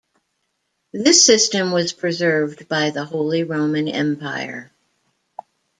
This system was preserved by the Holy Roman Empire.